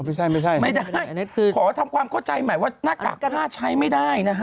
ไม่ใช่ไม่ได้ขอทำความเข้าใจใหม่ว่าหน้ากากผ้าใช้ไม่ได้นะฮะ